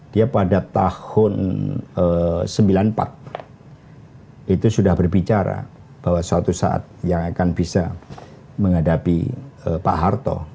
dia pada tahun seribu sembilan ratus sembilan puluh empat itu sudah berbicara bahwa suatu saat yang akan bisa menghadapi pak harto